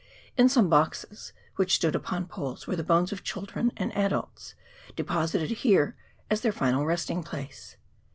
In some boxes which stood upon poles were the bones of children and adults, deposited here as their final resting place.